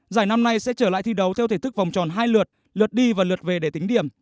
giải năm nay sẽ trở lại thi đấu theo thể thức vòng tròn hai lượt lượt lượt đi và lượt về để tính điểm